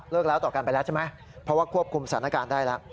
แล้วต่อกันไปแล้วใช่ไหมเพราะว่าควบคุมสถานการณ์ได้แล้ว